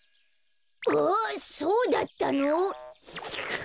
ああそうだったの？